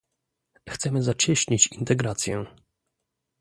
Chcemy zacieśnić integrację